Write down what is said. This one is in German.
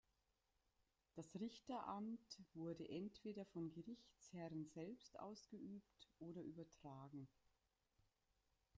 Das Richteramt wurde entweder vom Gerichtsherren selbst ausgeübt oder übertragen.